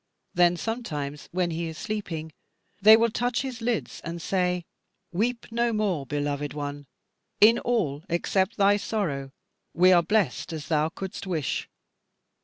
Then sometimes, when he is sleeping, they will touch his lids and say, "Weep no more, beloved one: in all, except thy sorrow, we are blessed as thou couldst wish."